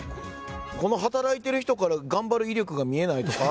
この働いてる人から頑張る意欲が見えないとか？